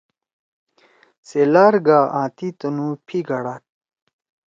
سے لار گا آں تی تُنُو پھی گھڑاد۔